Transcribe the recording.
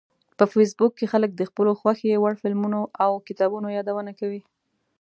په فېسبوک کې خلک د خپلو خوښې وړ فلمونو او کتابونو یادونه کوي